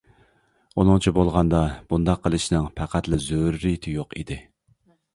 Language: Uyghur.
ئۇنىڭچە بولغاندا بۇنداق قىلىشنىڭ پەقەتلا زۆرۈرىيىتى يوق ئىدى.